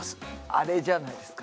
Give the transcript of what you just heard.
アレじゃないですか？